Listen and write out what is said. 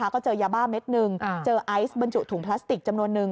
ก็เจอยาบ้าเม็ดหนึ่งเจอไอซ์บรรจุถุงพลาสติกจำนวนนึง